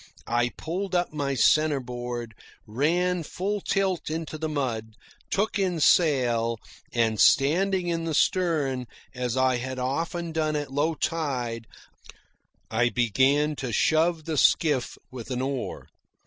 I pulled up my centreboard, ran full tilt into the mud, took in sail, and, standing in the stern, as I had often done at low tide, I began to shove the skiff with an oar.